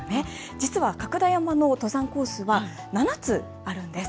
実は、角田山の登山コースは、７つあるんです。